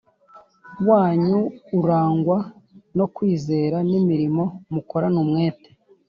wanyu urangwa no kwizera n’imirimo mukorana umwete